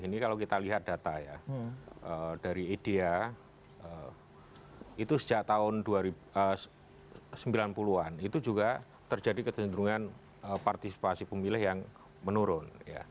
ini kalau kita lihat data ya dari idea itu sejak tahun sembilan puluh an itu juga terjadi kecenderungan partisipasi pemilih yang menurun